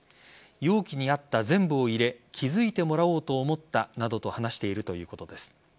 容器にあった全部を入れ気づいてもらおうと思ったなどと話しているということです。